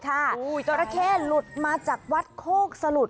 จราเข้หลุดมาจากวัดโคกสลุด